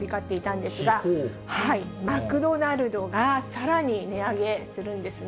マクドナルドがさらに値上げするんですね。